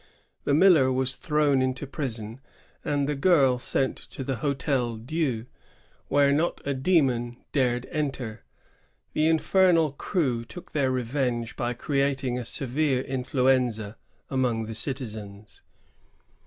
The miller was thrown into prison, and the girl sent to the Hdtel Dieu, where not a demon dared enter. The infernal crew took their revenge by creating a severe influenza among the citizens.